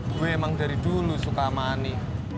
gue emang dari dulu suka sama ani